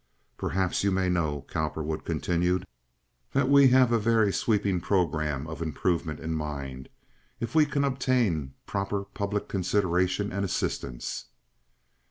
"Perhaps you may know," Cowperwood continued, "that we have a very sweeping programme of improvement in mind, if we can obtain proper public consideration and assistance."